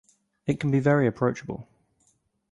It can be very approachable.